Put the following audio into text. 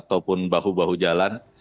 ataupun bahu bahu jalan